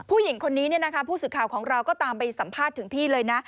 ผู้หญิงคนนี้ผู้สื่อข่าวของเราก็ตามไปสัมภาษณ์ถึงที่เลยนะ